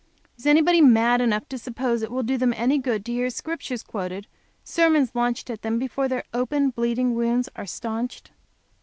Is anybody mad enough to suppose it will do them any good to hear Scripture quoted sermons launched at them before their open, bleeding wounds are staunched?